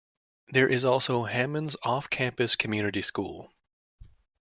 There is also Hammons off-campus community school.